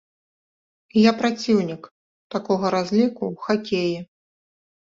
І я праціўнік такога разліку ў хакеі.